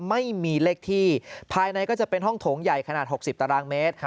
ไม่มีเลขที่ภายในก็จะเป็นห้องโถงใหญ่ขนาด๖๐ตารางเมตร